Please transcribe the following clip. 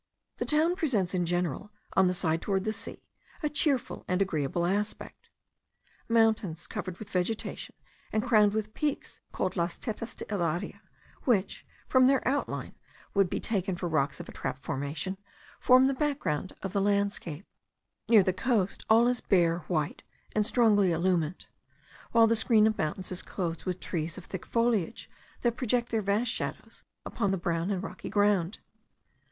The town presents in general, on the side towards the sea, a cheerful and agreeable aspect. Mountains covered with vegetation, and crowned with peaks called Las Tetas de Ilaria, which, from their outline would be taken for rocks of a trap formation, form the background of the landscape. Near the coast all is bare, white, and strongly illumined, while the screen of mountains is clothed with trees of thick foliage that project their vast shadows upon the brown and rocky ground.